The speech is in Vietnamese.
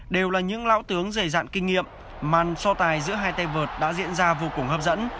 đều là những lão tướng dày dặn kinh nghiệm màn so tài giữa hai tay vợt đã diễn ra vô cùng hấp dẫn